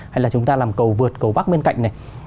hay là chúng ta làm cầu vượt cầu bắc bên cạnh này